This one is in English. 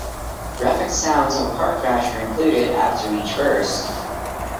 Graphic sounds of a car crash are included after each verse.